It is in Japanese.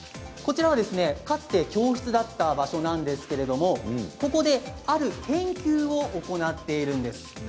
こちらは、かつて教室だった場所なんですけれどもここである研究を行っているんです。